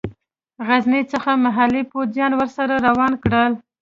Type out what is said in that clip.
د غزني څخه محلي پوځیان ورسره روان کړل.